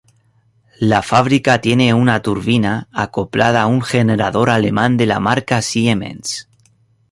La fábrica tiene una turbina acoplada a un generador alemán de la marca Siemens.